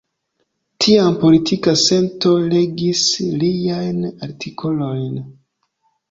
Tiam politika sento regis liajn artikolojn.